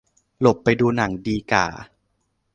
หลบไปดูหนังดีก่า